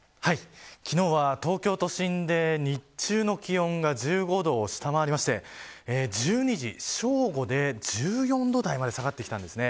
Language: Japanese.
昨日は東京都心で日中の気温が１５度を下回りまして１２時正午で１４度台まで下がってきたんですね。